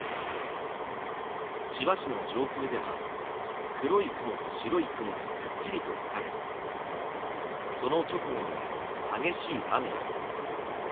千葉市の上空では黒い雲と白い雲がくっきりと分かれその直後には、激しい雨が。